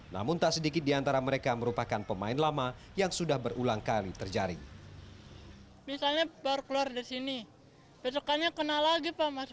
namun tak sedikit di antara mereka merupakan pemain lama yang sudah berulang kali terjaring